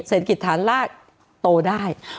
เศรษฐกิจฐานรากโตได้